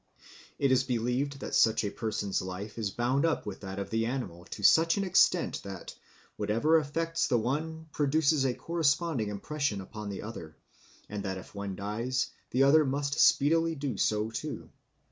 It is believed that such a person's life is bound up with that of the animal to such an extent that, whatever affects the one produces a corresponding impression upon the other, and that if one dies the other must speedily do so too.